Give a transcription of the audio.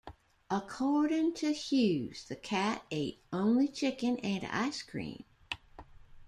According to Hughes, the cat ate only chicken and ice cream.